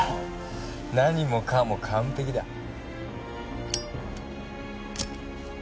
何もかも完璧だ。